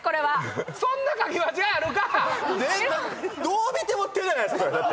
どう見ても「て」じゃないですか！